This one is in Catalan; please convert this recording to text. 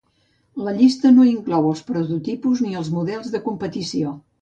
La llista no inclou els prototipus ni els models de competició.